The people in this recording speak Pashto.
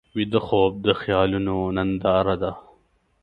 ویده خوب د خیالونو ننداره ده